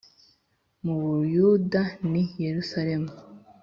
mu Buyuda ni Yerusalemu